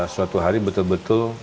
suatu hari betul betul